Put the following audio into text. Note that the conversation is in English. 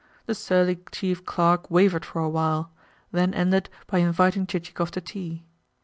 The surly Chief Clerk wavered for a while; then ended by inviting Chichikov to tea.